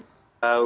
saya tidak tahu